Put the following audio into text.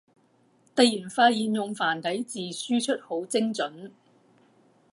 突然發現用繁體字輸出好精准